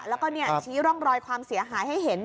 แล้วก็ชี้ร่องรอยความเสียหายให้เห็น